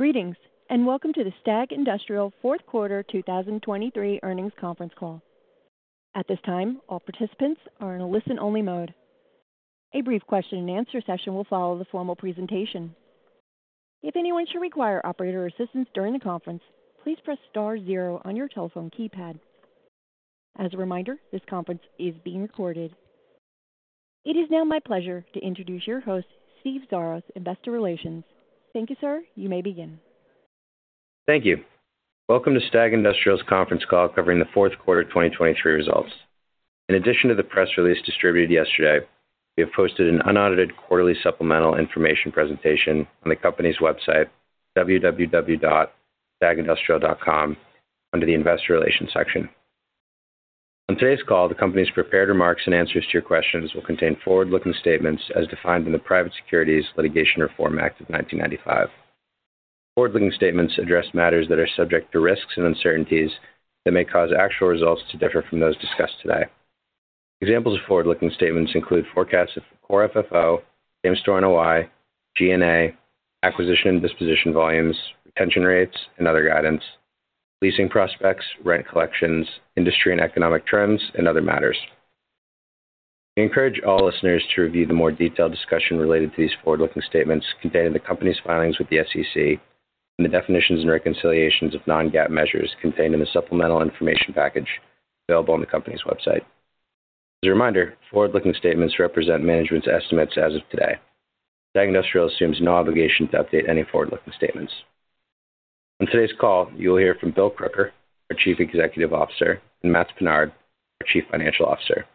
Greetings, and welcome to the STAG Industrial fourth quarter 2023 earnings conference call. At this time, all participants are in a listen-only mode. A brief question and answer session will follow the formal presentation. If anyone should require operator assistance during the conference, please press star zero on your telephone keypad. As a reminder, this conference is being recorded. It is now my pleasure to introduce your host, Steve Xiarhos, Investor Relations. Thank you, sir. You may begin. Thank you. Welcome to STAG Industrial's conference call covering the fourth quarter of 2023 results. In addition to the press release distributed yesterday, we have posted an unaudited quarterly supplemental information presentation on the company's website, www.stagindustrial.com, under the Investor Relations section. On today's call, the company's prepared remarks and answers to your questions will contain forward-looking statements as defined in the Private Securities Litigation Reform Act of 1995. Forward-looking statements address matters that are subject to risks and uncertainties that may cause actual results to differ from those discussed today. Examples of forward-looking statements include forecasts of Core FFO, Same Store NOI, G&A, acquisition and disposition volumes, retention rates, and other guidance, leasing prospects, rent collections, industry and economic trends, and other matters. We encourage all listeners to review the more detailed discussion related to these forward-looking statements contained in the company's filings with the SEC and the definitions and reconciliations of non-GAAP measures contained in the supplemental information package available on the company's website. As a reminder, forward-looking statements represent management's estimates as of today. STAG Industrial assumes no obligation to update any forward-looking statements. On today's call, you will hear from Bill Crooker, our Chief Executive Officer, and Matts Pinard, our Chief Financial Officer.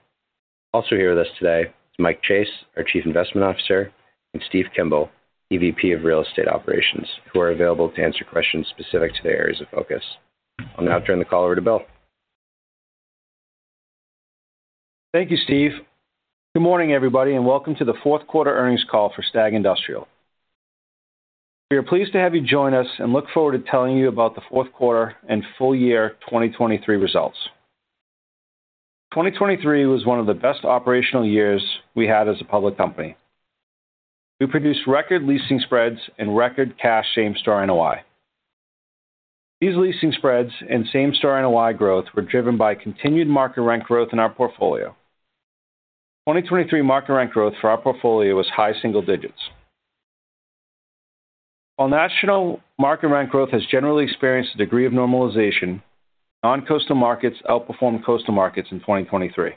Also here with us today is Mike Chase, our Chief Investment Officer, and Steve Kimball, EVP of Real Estate Operations, who are available to answer questions specific to their areas of focus. I'll now turn the call over to Bill. Thank you, Steve. Good morning, everybody, and welcome to the fourth quarter earnings call for STAG Industrial. We are pleased to have you join us and look forward to telling you about the fourth quarter and full year 2023 results. 2023 was one of the best operational years we had as a public company. We produced record leasing spreads and record cash Same Store NOI. These leasing spreads and Same Store NOI growth were driven by continued market rent growth in our portfolio. 2023 market rent growth for our portfolio was high single digits. While national market rent growth has generally experienced a degree of normalization, non-coastal markets outperformed coastal markets in 2023.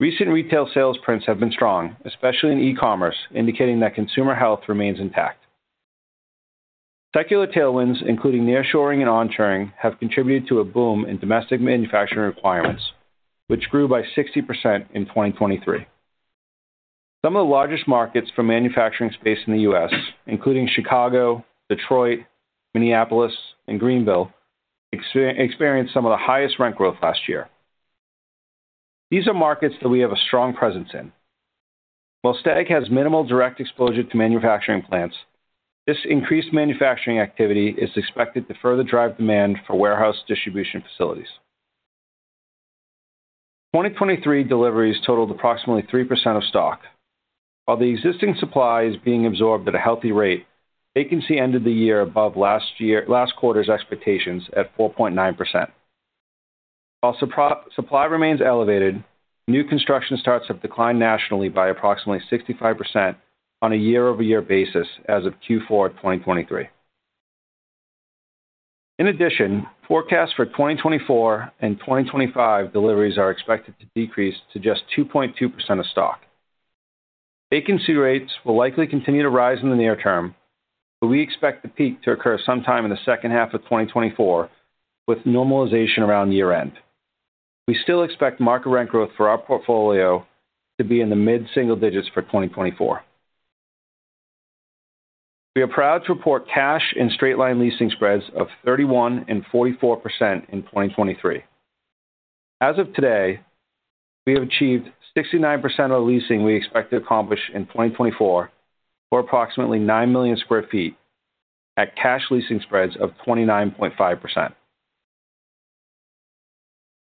Recent retail sales prints have been strong, especially in e-commerce, indicating that consumer health remains intact. Secular tailwinds, including nearshoring and onshoring, have contributed to a boom in domestic manufacturing requirements, which grew by 60% in 2023. Some of the largest markets for manufacturing space in the U.S., including Chicago, Detroit, Minneapolis, and Greenville, experienced some of the highest rent growth last year. These are markets that we have a strong presence in. While STAG has minimal direct exposure to manufacturing plants, this increased manufacturing activity is expected to further drive demand for warehouse distribution facilities. 2023 deliveries totaled approximately 3% of stock. While the existing supply is being absorbed at a healthy rate, vacancy ended the year above last quarter's expectations at 4.9%. While supply remains elevated, new construction starts have declined nationally by approximately 65% on a year-over-year basis as of Q4 2023. In addition, forecasts for 2024 and 2025 deliveries are expected to decrease to just 2.2% of stock. Vacancy rates will likely continue to rise in the near term, but we expect the peak to occur sometime in the second half of 2024, with normalization around year-end. We still expect market rent growth for our portfolio to be in the mid-single digits for 2024. We are proud to report cash and straight line leasing spreads of 31% and 44% in 2023. As of today, we have achieved 69% of the leasing we expect to accomplish in 2024, or approximately 9 million sq ft, at cash leasing spreads of 29.5%.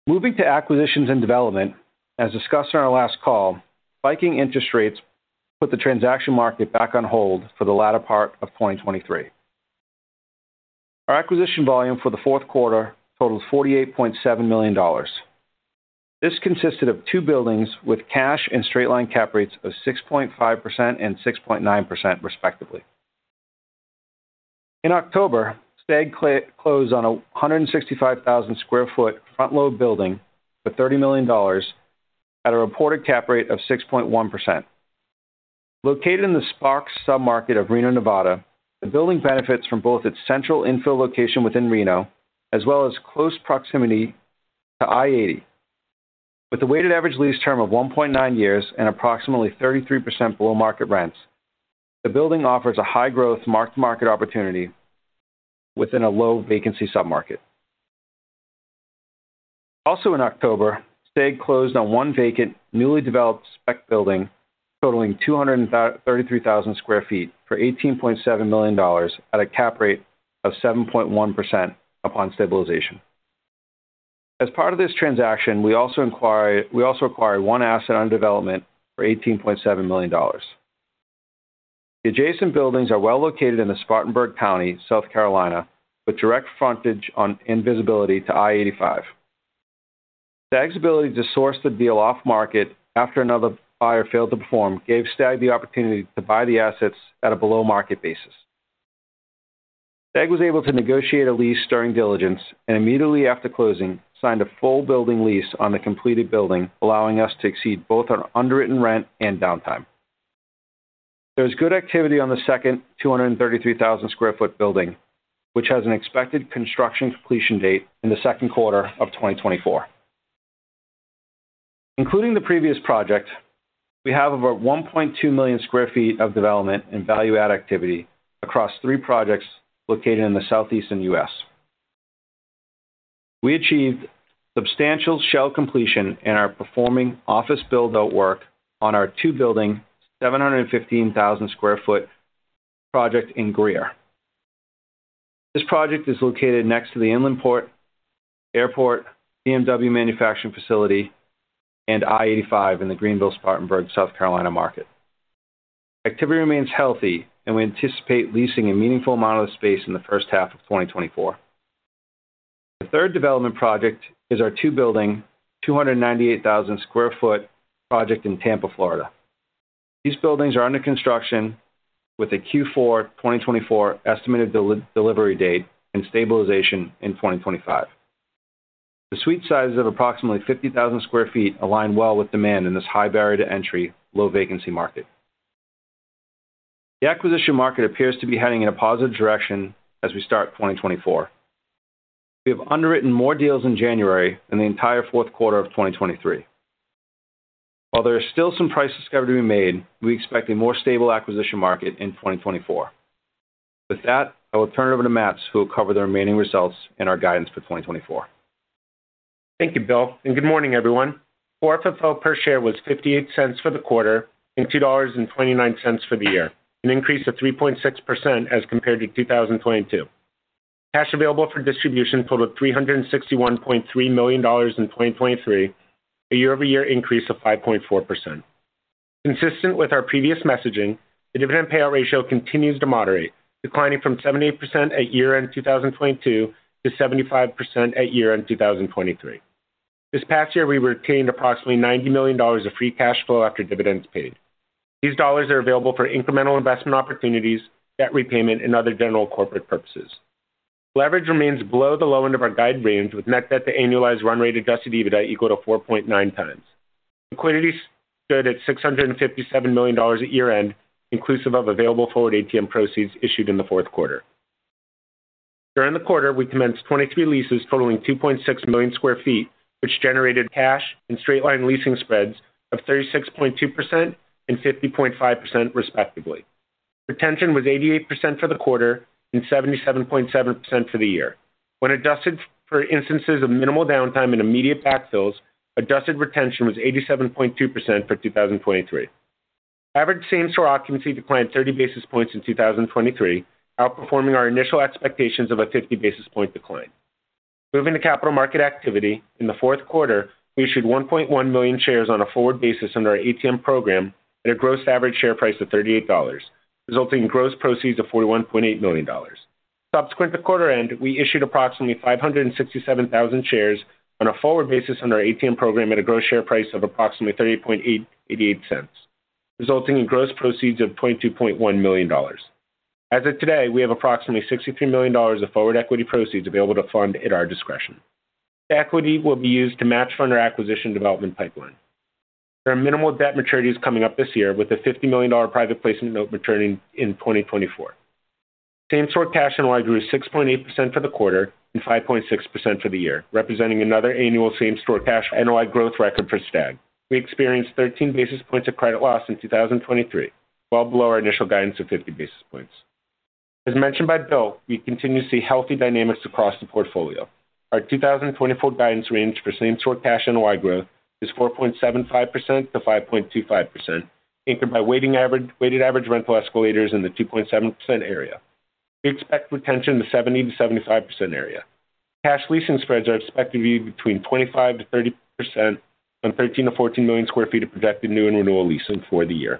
Moving to acquisitions and development, as discussed on our last call, spiking interest rates put the transaction market back on hold for the latter part of 2023. Our acquisition volume for the fourth quarter totaled $48.7 million. This consisted of two buildings with cash and straight line cap rates of 6.5% and 6.9%, respectively. In October, STAG closed on a 165,000 sq ft front-load building for $30 million at a reported cap rate of 6.1%. Located in the Sparks submarket of Reno, Nevada, the building benefits from both its central infill location within Reno as well as close proximity to I-80. With a weighted average lease term of 1.9 years and approximately 33% below market rents, the building offers a high-growth mark-to-market opportunity within a low vacancy submarket. Also in October, STAG closed on one vacant, newly developed spec building totaling 233,000 sq ft for $18.7 million at a cap rate of 7.1% upon stabilization. As part of this transaction, we also acquired one asset under development for $18.7 million. The adjacent buildings are well located in Spartanburg County, South Carolina, with direct frontage on and visibility to I-85. STAG's ability to source the deal off market after another buyer failed to perform, gave STAG the opportunity to buy the assets at a below market basis. STAG was able to negotiate a lease during diligence and immediately after closing, signed a full building lease on the completed building, allowing us to exceed both our underwritten rent and downtime. There's good activity on the second 233,000 sq ft building, which has an expected construction completion date in the second quarter of 2024. Including the previous project, we have over 1.2 million sq ft of development and value add activity across three projects located in the Southeastern U.S. We achieved substantial shell completion and are performing office build-out work on our two building, 715,000 sq ft project in Greer. This project is located next to the Inland Port, airport, BMW manufacturing facility, and I-85 in the Greenville-Spartanburg, South Carolina market. Activity remains healthy, and we anticipate leasing a meaningful amount of space in the first half of 2024. The third development project is our two building, 298,000 sq ft project in Tampa, Florida. These buildings are under construction with a Q4 2024 estimated delivery date and stabilization in 2025. The suite sizes of approximately 50,000 sq ft align well with demand in this high barrier to entry, low vacancy market. The acquisition market appears to be heading in a positive direction as we start 2024. We have underwritten more deals in January than the entire fourth quarter of 2023. While there is still some price discovery to be made, we expect a more stable acquisition market in 2024. With that, I will turn it over to Matts, who will cover the remaining results and our guidance for 2024. Thank you, Bill, and good morning, everyone. Core FFO per share was $0.58 for the quarter and $2.29 for the year, an increase of 3.6% as compared to 2022. Cash Available for Distribution totaled $361.3 million in 2023, a year-over-year increase of 5.4%. Consistent with our previous messaging, the dividend payout ratio continues to moderate, declining from 78% at year-end 2022 to 75% at year-end 2023. This past year, we retained approximately $90 million of free cash flow after dividends paid. These dollars are available for incremental investment opportunities, debt repayment, and other general corporate purposes. Leverage remains below the low end of our guide range, with net debt to annualized run rate adjusted EBITDA equal to 4.9x. Liquidity stood at $657 million at year-end, inclusive of available forward ATM proceeds issued in the fourth quarter. During the quarter, we commenced 23 leases totaling 2.6 million sq ft, which generated cash and straight line leasing spreads of 36.2% and 50.5% respectively. Retention was 88% for the quarter and 77.7% for the year. When adjusted for instances of minimal downtime and immediate backfills, adjusted retention was 87.2% for 2023. Average Same Store occupancy declined 30 basis points in 2023, outperforming our initial expectations of a 50 basis point decline. Moving to capital market activity, in the fourth quarter, we issued 1.1 million shares on a forward basis under our ATM program at a gross average share price of $38, resulting in gross proceeds of $41.8 million. Subsequent to quarter end, we issued approximately 567,000 shares on a forward basis under our ATM program at a gross share price of approximately $38.88, resulting in gross proceeds of $22.1 million. As of today, we have approximately $63 million of forward equity proceeds available to fund at our discretion. Equity will be used to match fund our acquisition development pipeline. There are minimal debt maturities coming up this year with a $50 million private placement note maturing in 2024. Same Store Cash NOI grew 6.8% for the quarter and 5.6% for the year, representing another Same Store Cash NOI growth record for STAG. We experienced 13 basis points of credit loss in 2023, well below our initial guidance of 50 basis points. As mentioned by Bill, we continue to see healthy dynamics across the portfolio. Our 2024 guidance range Same Store Cash NOI growth is 4.75%-5.25%, anchored by weighted average rental escalators in the 2.7% area. We expect retention in the 70%-75% area. Cash leasing spreads are expected to be between 25%-30% on 13 million sq ft-14 million sq ft of projected new and renewal leasing for the year.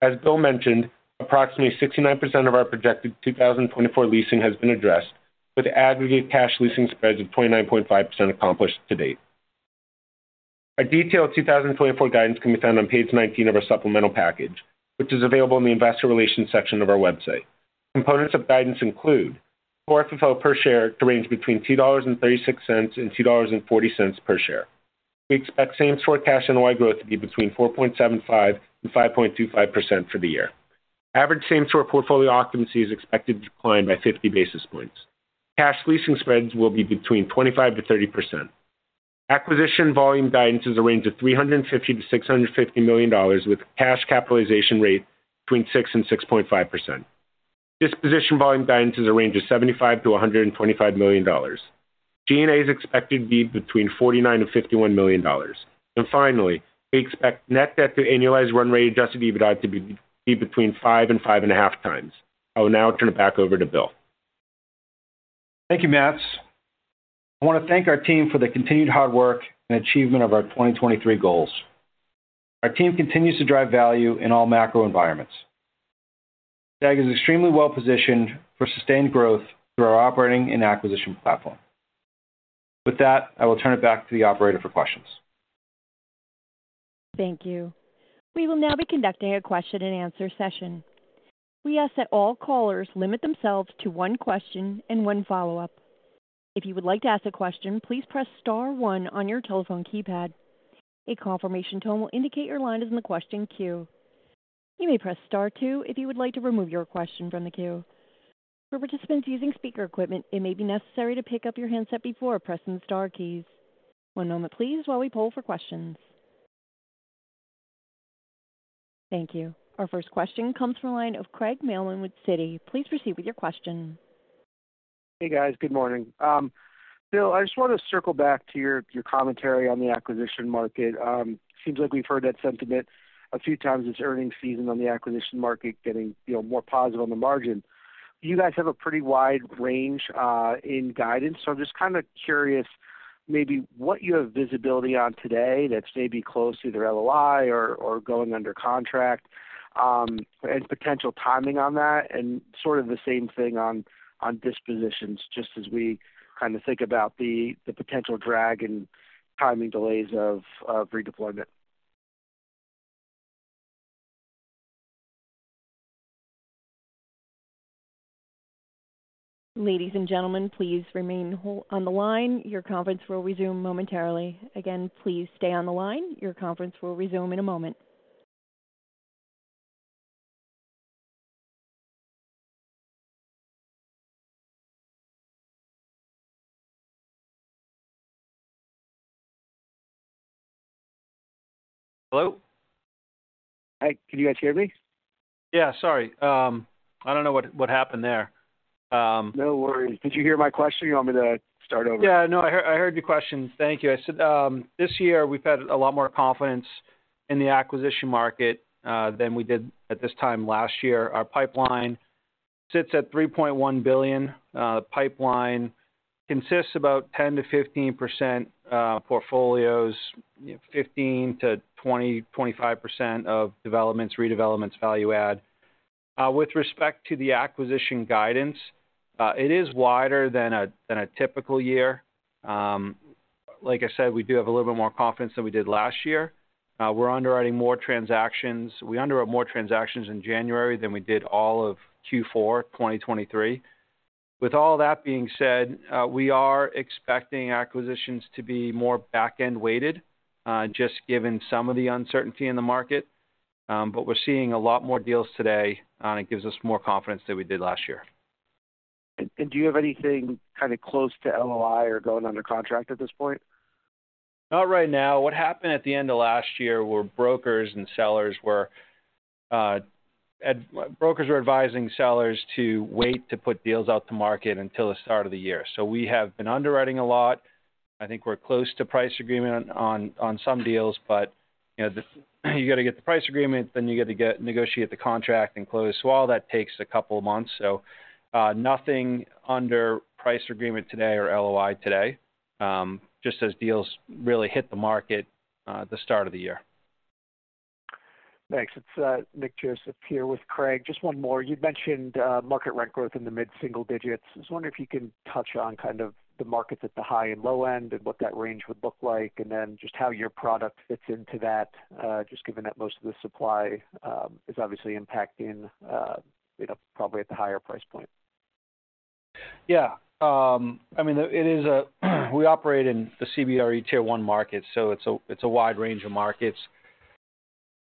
As Bill mentioned, approximately 69% of our projected 2024 leasing has been addressed, with aggregate cash leasing spreads of 29.5% accomplished to date. A detailed 2024 guidance can be found on page 19 of our supplemental package, which is available in the Investor Relations section of our website. Components of guidance include Core FFO per share to range between $2.36 and $2.40 per share. We expect Same Store Cash NOI growth to be between 4.75% and 5.25% for the year. Average Same Store portfolio occupancy is expected to decline by 50 basis points. Cash leasing spreads will be between 25%-30%. Acquisition volume guidance is a range of $350 million-$650 million, with cash capitalization rate between 6% and 6.5%. Disposition volume guidance is a range of $75 million-$125 million. G&A is expected to be between $49 million-$51 million. And finally, we expect net debt to annualized run rate adjusted EBITDA to be between 5x and 5.5x.... I will now turn it back over to Bill. Thank you, Matts. I want to thank our team for the continued hard work and achievement of our 2023 goals. Our team continues to drive value in all macro environments. STAG is extremely well positioned for sustained growth through our operating and acquisition platform. With that, I will turn it back to the operator for questions. Thank you. We will now be conducting a question and answer session. We ask that all callers limit themselves to one question and one follow-up. If you would like to ask a question, please press star one on your telephone keypad. A confirmation tone will indicate your line is in the question queue. You may press star two if you would like to remove your question from the queue. For participants using speaker equipment, it may be necessary to pick up your handset before pressing the star keys. One moment please while we poll for questions. Thank you. Our first question comes from the line of Craig Mailman with Citi. Please proceed with your question. Hey, guys. Good morning. Bill, I just want to circle back to your commentary on the acquisition market. Seems like we've heard that sentiment a few times this earnings season on the acquisition market getting, you know, more positive on the margin. You guys have a pretty wide range in guidance, so I'm just kind of curious, maybe what you have visibility on today that's maybe close to either LOI or going under contract, and potential timing on that, and sort of the same thing on dispositions, just as we kind of think about the potential drag and timing delays of redeployment. Ladies and gentlemen, please remain on the line. Your conference will resume momentarily. Again, please stay on the line. Your conference will resume in a moment. Hello? Hi. Can you guys hear me? Yeah, sorry. I don't know what happened there. No worries. Did you hear my question, or you want me to start over? Yeah, no, I heard your question. Thank you. I said, this year we've had a lot more confidence in the acquisition market, than we did at this time last year. Our pipeline sits at $3.1 billion. Pipeline consists about 10%-15% portfolios, 15%-25% of developments, redevelopments, value add. With respect to the acquisition guidance, it is wider than a typical year. Like I said, we do have a little bit more confidence than we did last year. We're underwriting more transactions. We underwrote more transactions in January than we did all of Q4 2023. With all that being said, we are expecting acquisitions to be more back-end weighted, just given some of the uncertainty in the market. We're seeing a lot more deals today, and it gives us more confidence than we did last year. Do you have anything kind of close to LOI or going under contract at this point? Not right now. What happened at the end of last year were brokers and sellers were advising sellers to wait to put deals out to market until the start of the year. So we have been underwriting a lot. I think we're close to price agreement on some deals, but, you know, this, you got to get the price agreement, then you got to negotiate the contract and close. So all that takes a couple of months, so, nothing under price agreement today or LOI today. Just as deals really hit the market, the start of the year. Thanks. It's Nick Joseph here with Craig. Just one more. You'd mentioned market rent growth in the mid-single digits. I was wondering if you can touch on kind of the markets at the high and low end and what that range would look like, and then just how your product fits into that, just given that most of the supply is obviously impacting you know, probably at the higher price point. Yeah. I mean, it is a, we operate in the CBRE Tier 1 market, so it's a, it's a wide range of markets.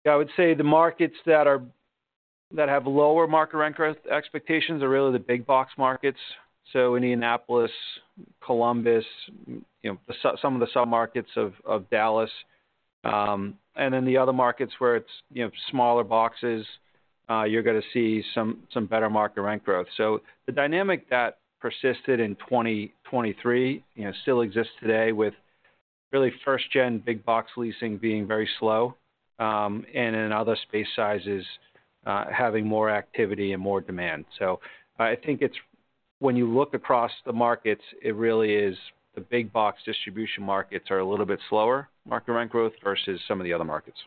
I would say the markets that have lower market rent growth expectations are really the big box markets, so Indianapolis, Columbus, you know, some of the submarkets of Dallas. And then the other markets where it's, you know, smaller boxes, you're going to see some better market rent growth. So the dynamic that persisted in 2023, you know, still exists today, with really first-gen big box leasing being very slow, and in other space sizes, having more activity and more demand. So I think it's when you look across the markets, it really is the big box distribution markets are a little bit slower market rent growth versus some of the other markets.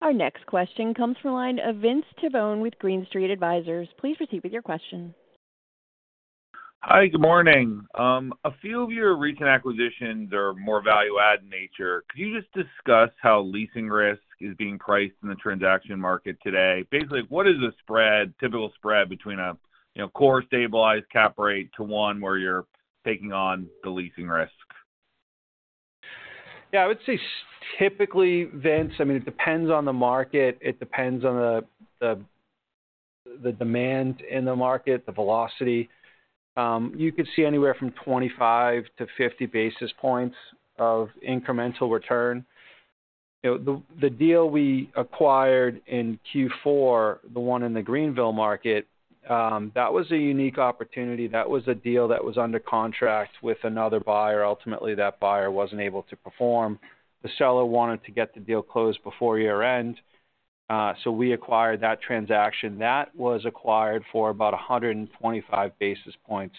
Our next question comes from the line of Vince Tibone with Green Street Advisors. Please proceed with your question. Hi, good morning. A few of your recent acquisitions are more value add in nature. Could you just discuss how leasing risk is being priced in the transaction market today? Basically, what is the spread, typical spread between a, you know, core stabilized cap rate to one where you're taking on the leasing risk? Yeah, I would say typically, Vince, I mean, it depends on the market. It depends on the demand in the market, the velocity. You could see anywhere from 25 basis points-50 basis points of incremental return. You know, the deal we acquired in Q4, the one in the Greenville market, that was a unique opportunity. That was a deal that was under contract with another buyer. Ultimately, that buyer wasn't able to perform. The seller wanted to get the deal closed before year-end, so we acquired that transaction. That was acquired for about 125 basis points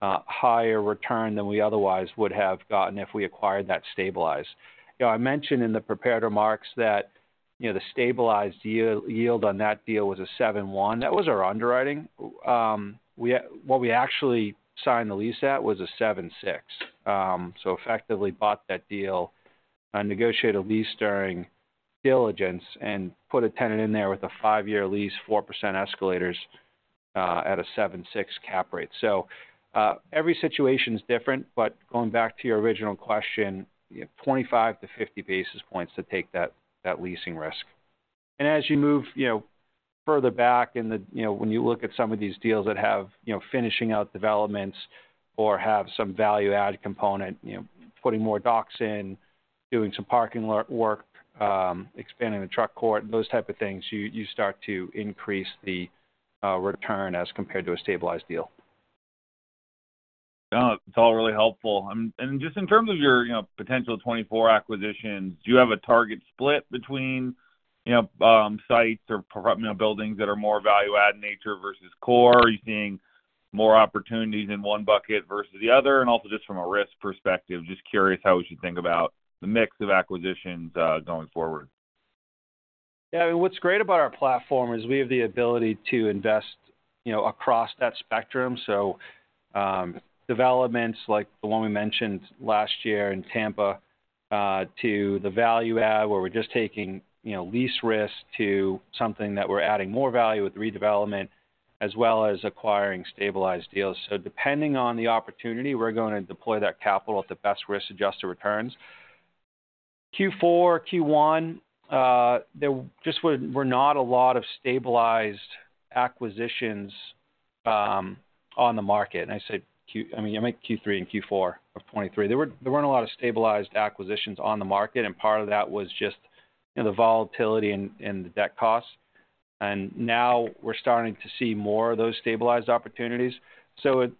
higher return than we otherwise would have gotten if we acquired that stabilized. You know, I mentioned in the prepared remarks that, you know, the stabilized yield on that deal was 7.1%. That was our underwriting. What we actually signed the lease at was a 7.6%. So effectively bought that deal and negotiated a lease during diligence and put a tenant in there with a five year lease, 4% escalators, at a 7.6% cap rate. So, every situation is different, but going back to your original question, you have 25 basis points-50 basis points to take that, that leasing risk. And as you move, you know, further back in the, you know, when you look at some of these deals that have, you know, finishing out developments or have some value-added component, you know, putting more docks in, doing some parking lot work, expanding the truck court, those type of things, you, you start to increase the, return as compared to a stabilized deal. It's all really helpful. And just in terms of your, you know, potential 24 acquisitions, do you have a target split between, you know, sites or, you know, buildings that are more value-add in nature versus core? Are you seeing more opportunities in one bucket versus the other? And also just from a risk perspective, just curious how we should think about the mix of acquisitions, going forward? Yeah, what's great about our platform is we have the ability to invest, you know, across that spectrum. So, developments like the one we mentioned last year in Tampa, to the value add, where we're just taking, you know, lease risk to something that we're adding more value with redevelopment, as well as acquiring stabilized deals. So depending on the opportunity, we're going to deploy that capital at the best risk-adjusted returns. Q4, Q1, there just were not a lot of stabilized acquisitions on the market. And I said Q—I mean, I meant Q3 and Q4 of 2023. There weren't a lot of stabilized acquisitions on the market, and part of that was just, you know, the volatility and the debt costs. And now we're starting to see more of those stabilized opportunities. So it,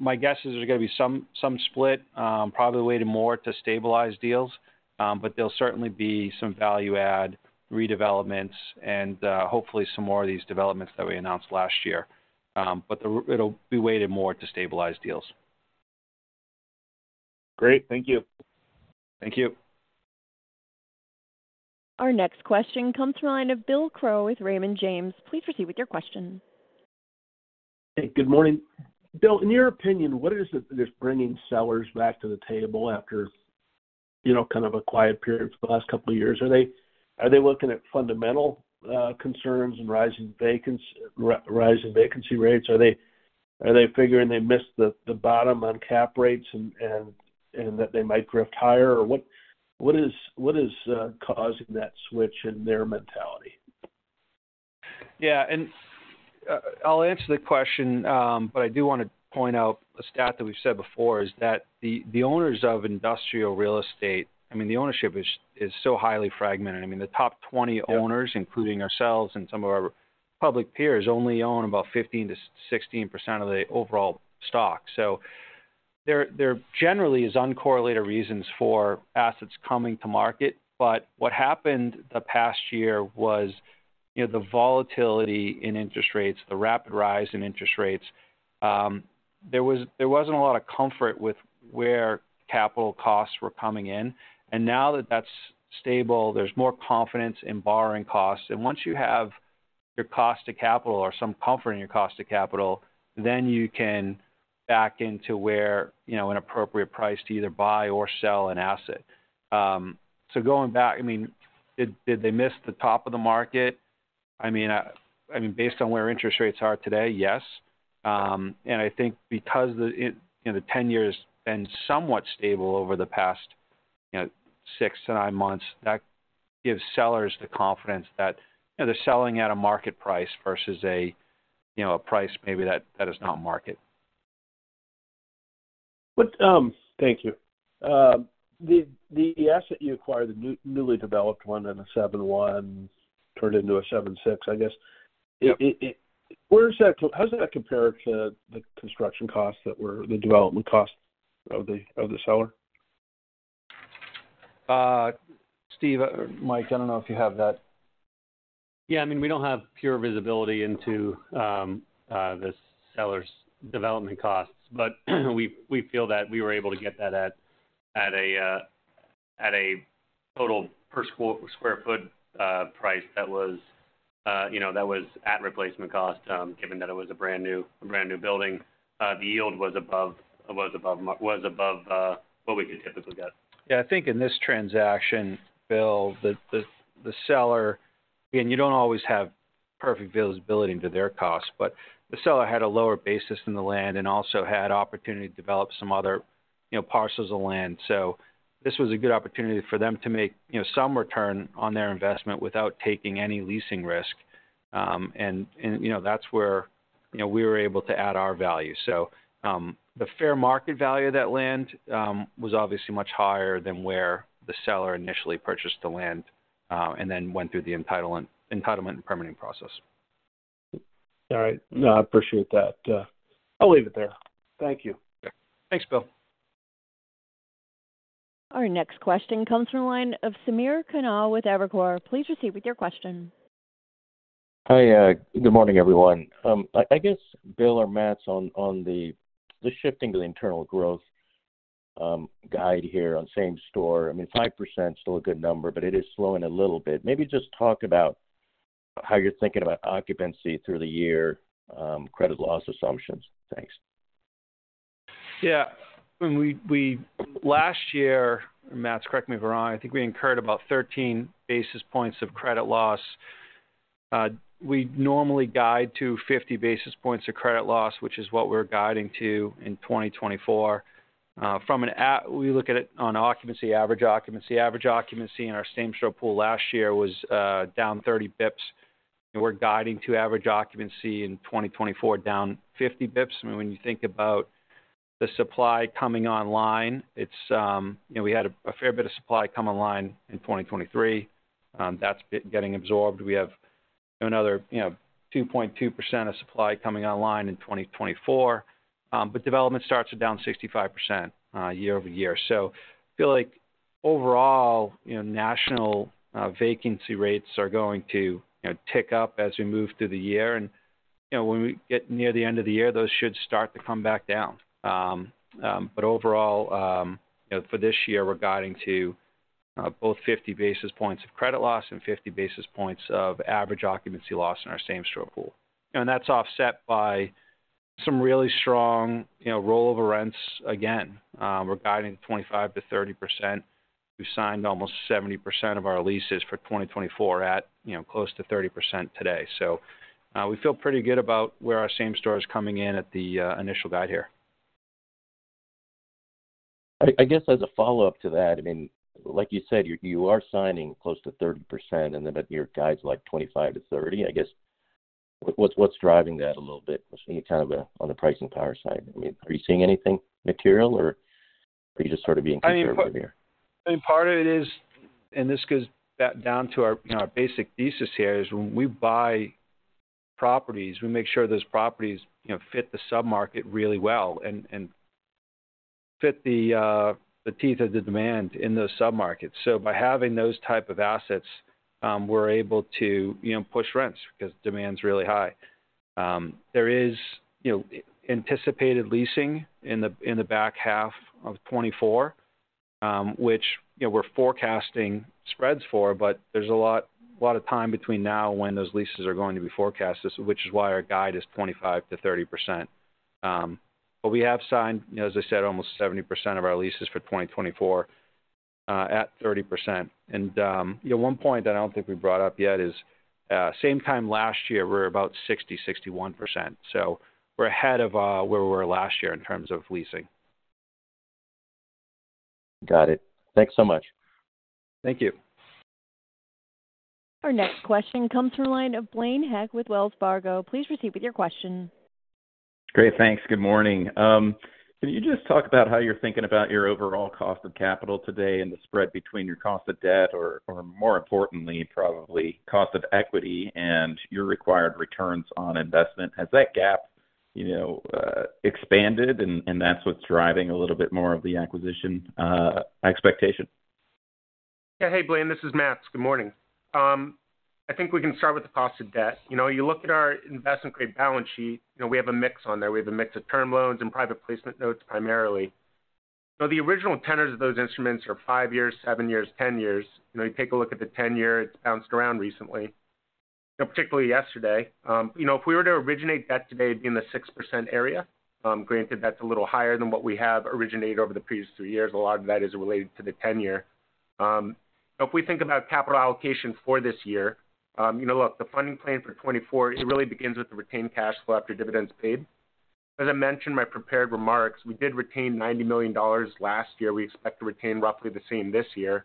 my guess is there's gonna be some, some split, probably weighted more to stabilized deals, but there'll certainly be some value add, redevelopments and, hopefully, some more of these developments that we announced last year. But it'll be weighted more to stabilized deals. Great. Thank you. Thank you. Our next question comes from the line of Bill Crow with Raymond James. Please proceed with your question. Hey, good morning. Bill, in your opinion, what is it that is bringing sellers back to the table after, you know, kind of a quiet period for the last couple of years? Are they looking at fundamental concerns and rising vacancy rates? Are they figuring they missed the bottom on cap rates and that they might drift higher? Or what is causing that switch in their mentality? Yeah, and I'll answer the question, but I do want to point out a stat that we've said before, is that the owners of industrial real estate, I mean, the ownership is so highly fragmented. I mean, the top 20. Yeah. Owners, including ourselves and some of our public peers, only own about 15%-16% of the overall stock. So there generally is uncorrelated reasons for assets coming to market. But what happened the past year was, you know, the volatility in interest rates, the rapid rise in interest rates. There wasn't a lot of comfort with where capital costs were coming in, and now that that's stable, there's more confidence in borrowing costs. And once you have your cost to capital or some comfort in your cost to capital, then you can back into where, you know, an appropriate price to either buy or sell an asset. So going back, I mean, did they miss the top of the market? I mean, based on where interest rates are today, yes. I think because you know, the 10 year has been somewhat stable over the past, you know, six to nine months, that gives sellers the confidence that, you know, they're selling at a market price versus a, you know, a price maybe that is not market. But, thank you. The asset you acquired, the newly developed one in a seven one, turned into a seven six, I guess. Yep. Where does that—how does that compare to the construction costs that were the development costs of the seller? Steve, Mike, I don't know if you have that. Yeah, I mean, we don't have pure visibility into the seller's development costs, but we feel that we were able to get that at a total per square foot price that was, you know, that was at replacement cost, given that it was a brand new, a brand-new building. The yield was above what we could typically get. Yeah, I think in this transaction, Bill, the seller—and you don't always have perfect visibility into their costs, but the seller had a lower basis in the land and also had opportunity to develop some other, you know, parcels of land. So this was a good opportunity for them to make, you know, some return on their investment without taking any leasing risk. And, you know, that's where, you know, we were able to add our value. So, the fair market value of that land was obviously much higher than where the seller initially purchased the land and then went through the entitlement and permitting process. All right. No, I appreciate that. I'll leave it there. Thank you. Thanks, Bill. Our next question comes from the line of Samir Khanal with Evercore. Please proceed with your question. Hi, good morning, everyone. I guess, Bill or Matts, on the shifting to the internal growth guide here on Same Store, I mean, 5% is still a good number, but it is slowing a little bit. Maybe just talk about how you're thinking about occupancy through the year, credit loss assumptions. Thanks. Yeah. Last year, and Matts, correct me if I'm wrong, I think we incurred about 13 basis points of credit loss. We normally guide to 50 basis points of credit loss, which is what we're guiding to in 2024. From an, we look at it on occupancy, average occupancy. Average occupancy in our Same Store pool last year was down 30 basis points, and we're guiding to average occupancy in 2024 down 50 basis points. I mean, when you think about the supply coming online, it's, you know, we had a fair bit of supply come online in 2023. That's getting absorbed. We have another, you know, 2.2% of supply coming online in 2024, but development starts are down 65%, year-over-year. So I feel like overall, you know, national vacancy rates are going to, you know, tick up as we move through the year. And, you know, when we get near the end of the year, those should start to come back down. But overall, you know, for this year, we're guiding to both 50 basis points of credit loss and 50 basis points of average occupancy loss in our Same Store pool. And that's offset by some really strong, you know, roll over rents. Again, we're guiding 25%-30%. We've signed almost 70% of our leases for 2024 at, you know, close to 30% today. So we feel pretty good about where our Same Store is coming in at the initial guide here. I guess as a follow-up to that, I mean, like you said, you are signing close to 30%, and then your guide's like 25%-30%. I guess, what's driving that a little bit? Kind of on the pricing power side, I mean, are you seeing anything material, or are you just sort of being conservative here? I mean, part of it is, and this goes back down to our, you know, our basic thesis here, is when we buy properties, we make sure those properties, you know, fit the submarket really well and fit the teeth of the demand in those submarkets. So by having those type of assets, we're able to, you know, push rents because demand's really high. There is, you know, anticipated leasing in the back half of 2024, which, you know, we're forecasting spreads for, but there's a lot of time between now and when those leases are going to be forecasted, which is why our guide is 25%-30%. But we have signed, as I said, almost 70% of our leases for 2024, at 30%. You know, one point that I don't think we brought up yet is, same time last year, we were about 60%, 61%, so we're ahead of where we were last year in terms of leasing. Got it. Thanks so much. Thank you. Our next question comes from the line of Blaine Heck with Wells Fargo. Please proceed with your question. Great. Thanks. Good morning. Can you just talk about how you're thinking about your overall cost of capital today and the spread between your cost of debt or, or more importantly, probably cost of equity and your required returns on investment? Has that gap, you know, expanded, and, and that's what's driving a little bit more of the acquisition expectation? Yeah. Hey, Blaine, this is Matts. Good morning. I think we can start with the cost of debt. You know, you look at our investment-grade balance sheet, you know, we have a mix on there. We have a mix of term loans and private placement notes, primarily. So the original tenors of those instruments are five years, seven years, 10 years. You know, you take a look at the 10 year, it's bounced around recently, particularly yesterday. You know, if we were to originate that today, it'd be in the 6% area. Granted, that's a little higher than what we have originated over the previous two years. A lot of that is related to the 10 year. If we think about capital allocation for this year, you know, look, the funding plan for 2024, it really begins with the retained cash flow after dividends paid. As I mentioned in my prepared remarks, we did retain $90 million last year. We expect to retain roughly the same this year.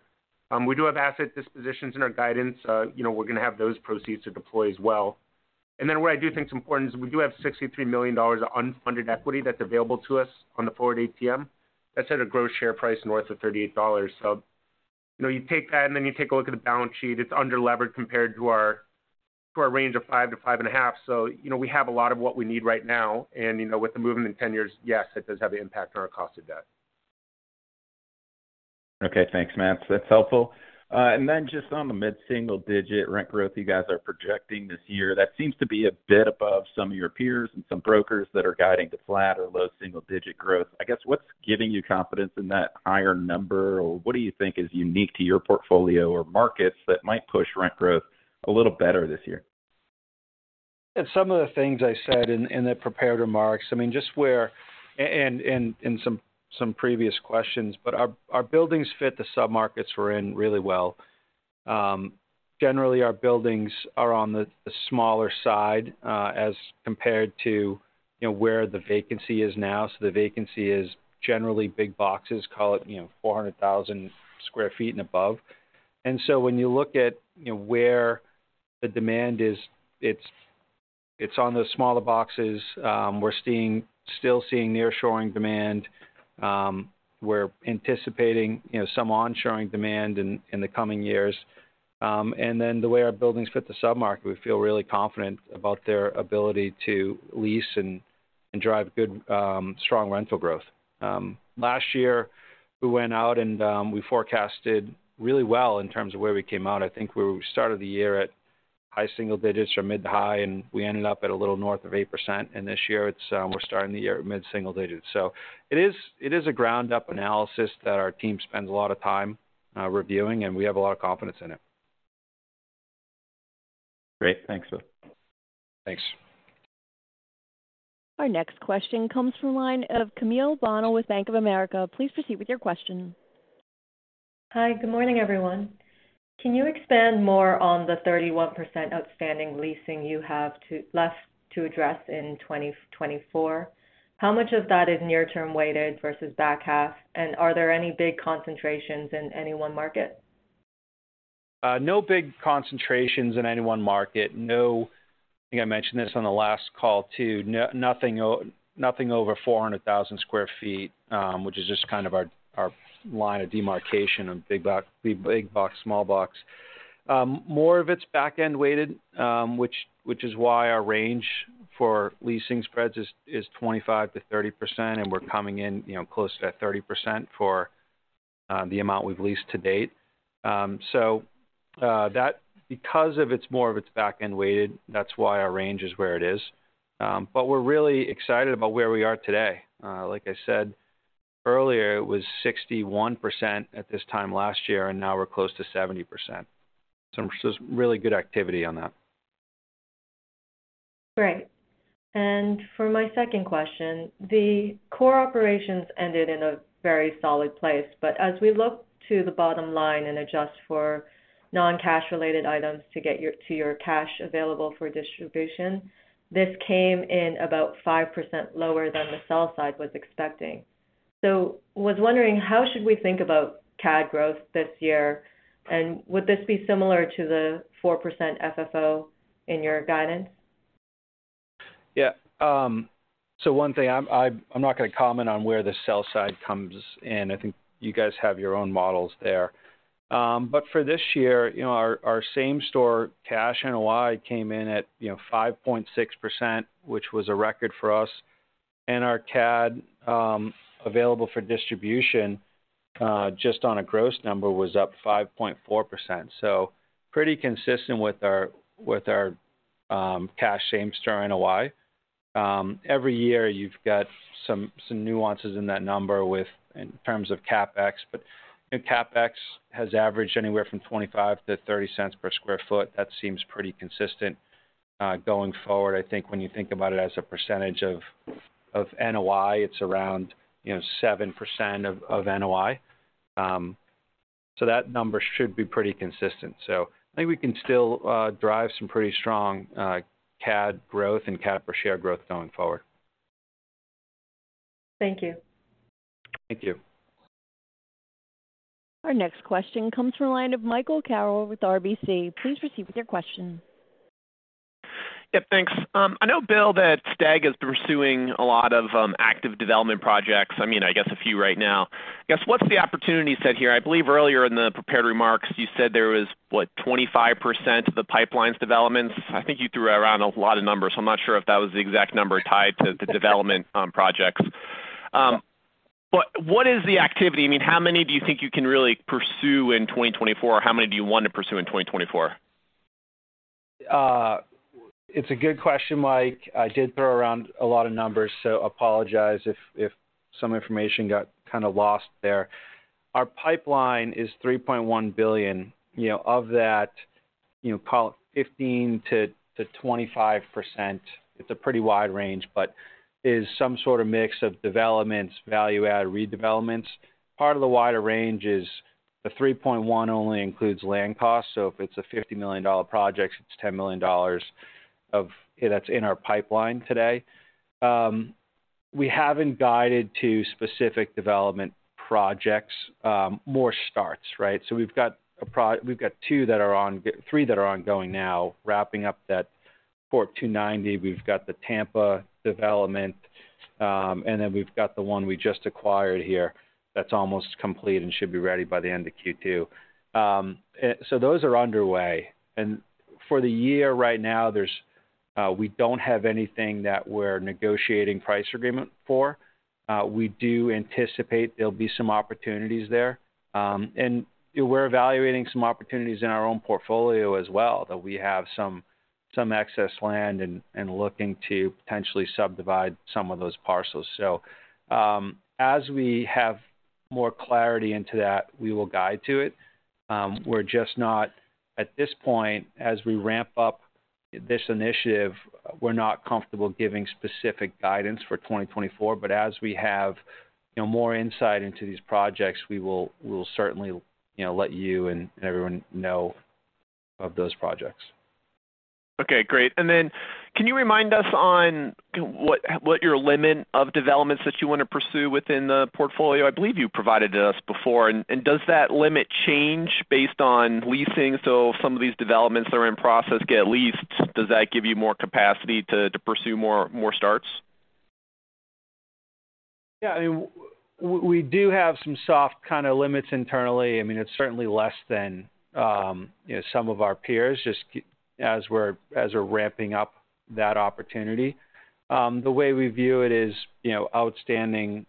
We do have asset dispositions in our guidance. You know, we're going to have those proceeds to deploy as well. And then what I do think is important is we do have $63 million of unfunded equity that's available to us on the forward ATM. That's at a gross share price north of $38. So, you know, you take that, and then you take a look at the balance sheet. It's underleveraged compared to our range of 5-5.5. You know, we have a lot of what we need right now. You know, with the movement in 10 years, yes, it does have an impact on our cost of debt. Okay, thanks, Matts. That's helpful. And then just on the mid-single-digit rent growth you guys are projecting this year, that seems to be a bit above some of your peers and some brokers that are guiding to flat or low single-digit growth. I guess, what's giving you confidence in that higher number? Or what do you think is unique to your portfolio or markets that might push rent growth a little better this year? Some of the things I said in the prepared remarks, I mean, just where and some previous questions, but our buildings fit the submarkets we're in really well. Generally, our buildings are on the smaller side, as compared to, you know, where the vacancy is now. So the vacancy is generally big boxes, call it, you know, 400,000 sq ft and above. And so when you look at, you know, where the demand is, it's on the smaller boxes. We're still seeing nearshoring demand. We're anticipating, you know, some onshoring demand in the coming years. And then the way our buildings fit the submarket, we feel really confident about their ability to lease and drive good, strong rental growth. Last year, we went out and we forecasted really well in terms of where we came out. I think we started the year at high single digits or mid-high, and we ended up at a little north of 8%. And this year, it's we're starting the year at mid-single digits. So it is, it is a ground-up analysis that our team spends a lot of time reviewing, and we have a lot of confidence in it. Great. Thanks, Bill. Thanks. Our next question comes from the line of Camille Bonnel with Bank of America. Please proceed with your question. Hi, good morning, everyone. Can you expand more on the 31% outstanding leasing you have left to address in 2024? How much of that is near-term weighted versus back half, and are there any big concentrations in any one market? No big concentrations in any one market. No, I think I mentioned this on the last call, too. Nothing over 400,000 sq ft, which is just kind of our line of demarcation on big box, big box, small box. More of it's back-end weighted, which is why our range for leasing spreads is 25%-30%, and we're coming in, you know, close to that 30% for the amount we've leased to date. So, because it's more of its back-end weighted, that's why our range is where it is. But we're really excited about where we are today. Like I said earlier, it was 61% at this time last year, and now we're close to 70%. So it's really good activity on that. Great. And for my second question, the core operations ended in a very solid place, but as we look to the bottom line and adjust for non-cash-related items to get to your Cash Available for Distribution, this came in about 5% lower than the sell side was expecting. So was wondering, how should we think about CAD growth this year, and would this be similar to the 4% FFO in your guidance? Yeah. So one thing, I'm not going to comment on where the sell side comes in. I think you guys have your own models there. But for this year, you know, Same Store Cash NOI came in at, you know, 5.6%, which was a record for us, and our CAD available for distribution, just on a gross number, was up 5.4%. So pretty consistent with our cash Same Store NOI. Every year, you've got some nuances in that number in terms of CapEx, but CapEx has averaged anywhere from $0.25-$0.30 per sq ft. That seems pretty consistent. Going forward, I think when you think about it as a percentage of NOI, it's around, you know, 7% of NOI. That number should be pretty consistent. I think we can still drive some pretty strong CAD growth and CAD per share growth going forward. Thank you. Thank you. Our next question comes from the line of Michael Carroll with RBC. Please proceed with your question. Yeah, thanks. I know, Bill, that STAG is pursuing a lot of active development projects. I mean, I guess a few right now. I guess, what's the opportunity set here? I believe earlier in the prepared remarks, you said there was, what, 25% of the pipeline's developments. I think you threw around a lot of numbers, so I'm not sure if that was the exact number tied to the development projects. But what is the activity? I mean, how many do you think you can really pursue in 2024, or how many do you want to pursue in 2024? It's a good question, Mike. I did throw around a lot of numbers, so apologize if some information got kind of lost there. Our pipeline is $3.1 billion. You know, of that, you know, call it 15%-25%. It's a pretty wide range, but it's some sort of mix of developments, value add, redevelopments. Part of the wider range is the $3.1 only includes land costs, so if it's a $50 million project, it's $10 million of that's in our pipeline today. We haven't guided to specific development projects, more starts, right? So we've got two that are three that are ongoing now, wrapping up that Port 290. We've got the Tampa development, and then we've got the one we just acquired here that's almost complete and should be ready by the end of Q2. So those are underway. And for the year right now, there's, we don't have anything that we're negotiating price agreement for. We do anticipate there'll be some opportunities there. And we're evaluating some opportunities in our own portfolio as well, that we have some excess land and looking to potentially subdivide some of those parcels. So, as we have more clarity into that, we will guide to it. We're just not, at this point, as we ramp up this initiative, we're not comfortable giving specific guidance for 2024, but as we have, you know, more insight into these projects, we will, we will certainly, you know, let you and everyone know of those projects. Okay, great. And then can you remind us on, kind of, what your limit of developments that you want to pursue within the portfolio? I believe you provided it to us before. And does that limit change based on leasing? So if some of these developments that are in process get leased, does that give you more capacity to pursue more starts? Yeah, I mean, we do have some soft kind of limits internally. I mean, it's certainly less than, you know, some of our peers, just as we're, as we're ramping up that opportunity. The way we view it is, you know, outstanding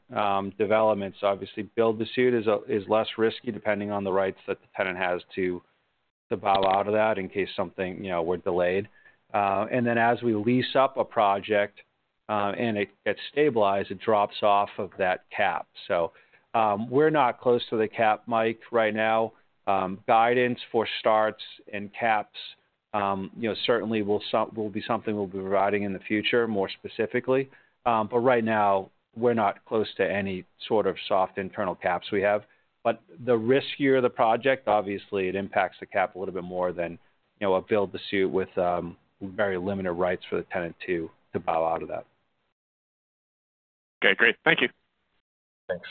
developments, obviously, build to suit is less risky, depending on the rights that the tenant has to, to bow out of that in case something, you know, we're delayed. And then as we lease up a project, and it stabilized, it drops off of that cap. So, we're not close to the cap, Mike, right now. Guidance for starts and caps, you know, certainly will be something we'll be providing in the future, more specifically. But right now, we're not close to any sort of soft internal caps we have. But the riskier the project, obviously, it impacts the cap a little bit more than, you know, a build to suit with very limited rights for the tenant to bow out of that. Okay, great. Thank you. Thanks.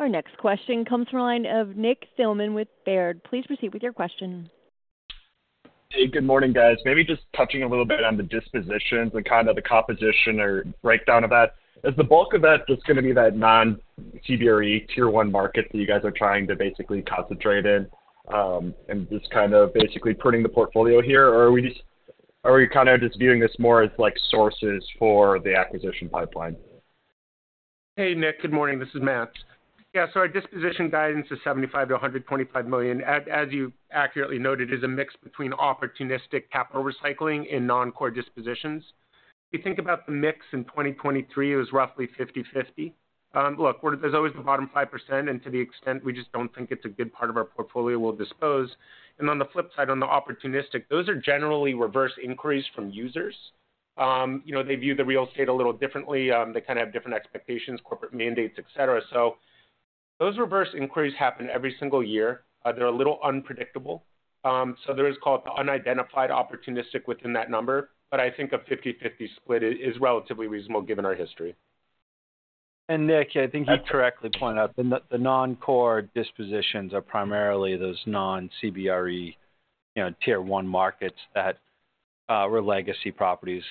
Our next question comes from the line of Nick Thillman with Baird. Please proceed with your question. Hey, good morning, guys. Maybe just touching a little bit on the dispositions and kind of the composition or breakdown of that. Is the bulk of that just gonna be that non-CBRE Tier 1 market that you guys are trying to basically concentrate in, and just kind of basically pruning the portfolio here? Or are we just, are we kind of just viewing this more as like sources for the acquisition pipeline? Hey, Nick. Good morning. This is Matts. Yeah, so our disposition guidance is $75 million-$125 million. As you accurately noted, it is a mix between opportunistic capital recycling and noncore dispositions. If you think about the mix in 2023, it was roughly 50/50. Look, there's always the bottom 5%, and to the extent we just don't think it's a good part of our portfolio, we'll dispose. And on the flip side, on the opportunistic, those are generally reverse inquiries from users. You know, they view the real estate a little differently. They kind of have different expectations, corporate mandates, et cetera. So those reverse inquiries happen every single year. They're a little unpredictable. So there is called the unidentified opportunistic within that number, but I think a 50/50 split is relatively reasonable given our history. Nick, I think you correctly point out the non-core dispositions are primarily those non-CBRE, you know, Tier 1 markets that were legacy properties.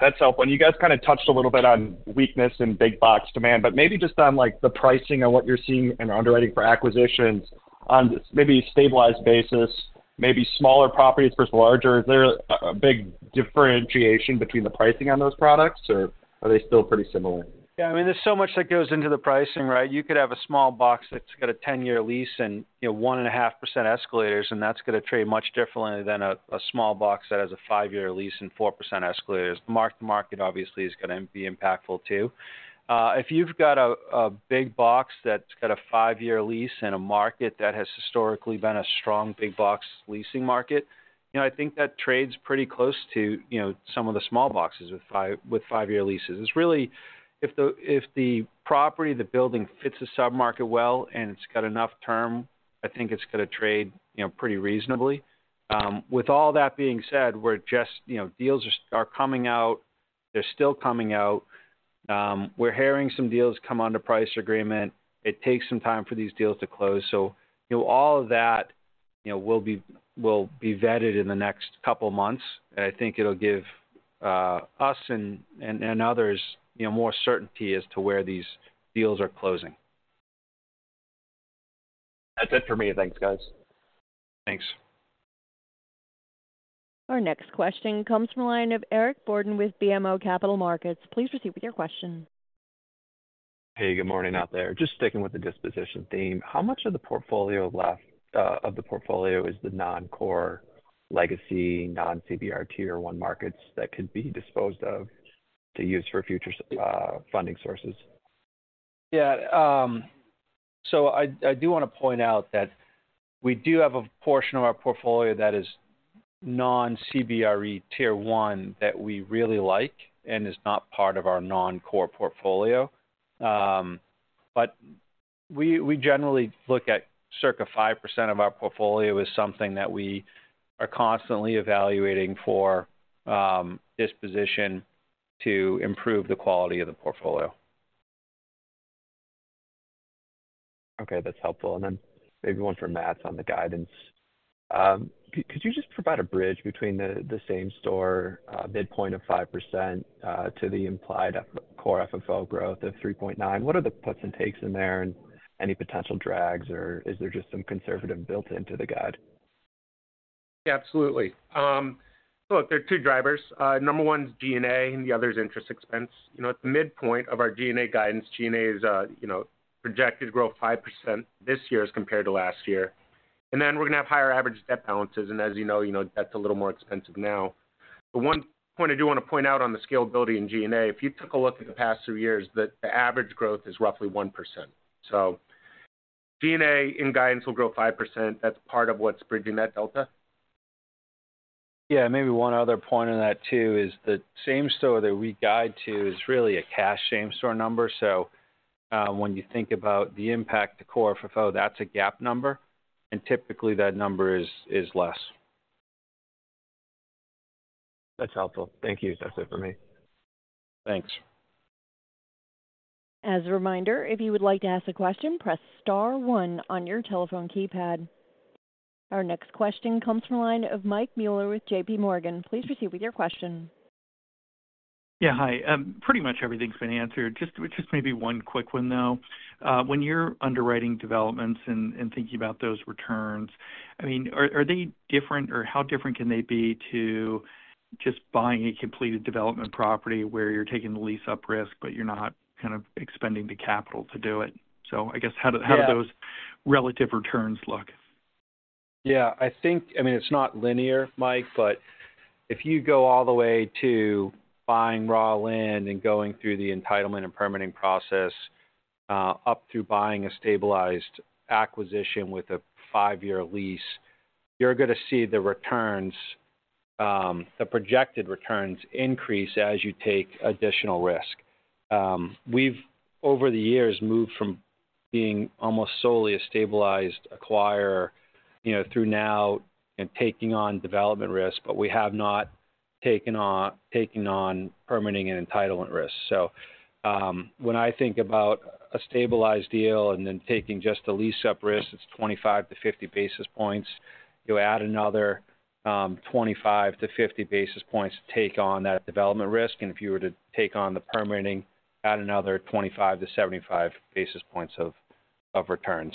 That's helpful. You guys kind of touched a little bit on weakness in big box demand, but maybe just on, like, the pricing and what you're seeing in underwriting for acquisitions on maybe a stabilized basis, maybe smaller properties versus larger. Is there a big differentiation between the pricing on those products, or are they still pretty similar? Yeah, I mean, there's so much that goes into the pricing, right? You could have a small box that's got a 10 year lease and, you know, 1.5% escalators, and that's going to trade much differently than a small box that has a five year lease and 4% escalators. Mark-to-market, obviously, is gonna be impactful too. If you've got a big box that's got a five year lease in a market that has historically been a strong big box leasing market, you know, I think that trades pretty close to, you know, some of the small boxes with five year leases. It's really if the property, the building fits the sub-market well, and it's got enough term, I think it's gonna trade, you know, pretty reasonably. With all that being said, we're just, you know, deals are coming out. They're still coming out. We're hearing some deals come under price agreement. It takes some time for these deals to close. So, you know, all of that, you know, will be vetted in the next couple of months. I think it'll give us and others, you know, more certainty as to where these deals are closing. That's it for me. Thanks, guys. Thanks. Our next question comes from a line of Eric Borden with BMO Capital Markets. Please proceed with your question. Hey, good morning out there. Just sticking with the disposition theme, how much of the portfolio left, of the portfolio is the non-core legacy, non-CBRE Tier 1 markets that could be disposed of to use for future, funding sources? Yeah, so I do want to point out that we do have a portion of our portfolio that is non-CBRE Tier 1 that we really like and is not part of our non-core portfolio. But we generally look at circa 5% of our portfolio as something that we are constantly evaluating for disposition to improve the quality of the portfolio. Okay, that's helpful. And then maybe one for Matts on the guidance. Could you just provide a bridge between the Same Store midpoint of 5% to the implied Core FFO growth of 3.9? What are the puts and takes in there, and any potential drags, or is there just some conservative built into the guide? Yeah, absolutely. Look, there are two drivers. Number one is G&A, and the other is interest expense. You know, at the midpoint of our G&A guidance, G&A is, you know, projected to grow 5% this year as compared to last year. And then we're gonna have higher average debt balances, and as you know, you know, that's a little more expensive now. But one point I do want to point out on the scalability in G&A, if you took a look at the past three years, the average growth is roughly 1%. So G&A in guidance will grow 5%. That's part of what's bridging that delta. Yeah, maybe one other point on that, too, is the Same Store that we guide to is really a cash Same Store number. So, when you think about the impact to Core FFO, that's a GAAP number, and typically, that number is less. That's helpful. Thank you. That's it for me. Thanks. As a reminder, if you would like to ask a question, press star one on your telephone keypad. Our next question comes from the line of Mike Mueller with JPMorgan. Please proceed with your question. Yeah, hi. Pretty much everything's been answered. Just, just maybe one quick one, though. When you're underwriting developments and, and thinking about those returns, I mean, are, are they different, or how different can they be to just buying a completed development property where you're taking the lease-up risk, but you're not kind of expending the capital to do it? So I guess, how do? Yeah. How do those relative returns look? Yeah, I think, I mean, it's not linear, Mike, but if you go all the way to buying raw land and going through the entitlement and permitting process, up to buying a stabilized acquisition with a five year lease, you're gonna see the returns, the projected returns increase as you take additional risk. We've over the years moved from being almost solely a stabilized acquirer, you know, through now and taking on development risk, but we have not taken on permitting and entitlement risks. So, when I think about a stabilized deal and then taking just the lease-up risk, it's 25 basis points-50 basis points. You add another 25 basis points-50 basis points to take on that development risk. And if you were to take on the permitting, add another 25 basis points-75 basis points of return.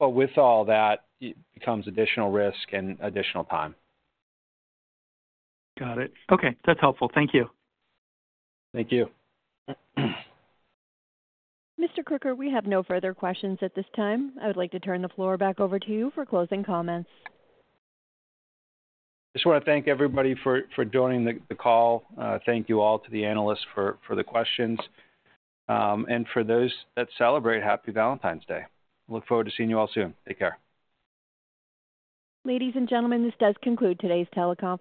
But with all that, it becomes additional risk and additional time. Got it. Okay, that's helpful. Thank you. Thank you. Mr. Crooker, we have no further questions at this time. I would like to turn the floor back over to you for closing comments. Just wanna thank everybody for joining the call. Thank you all to the analysts for the questions. And for those that celebrate, Happy Valentine's Day. Look forward to seeing you all soon. Take care. Ladies and gentlemen, this does conclude today's teleconference.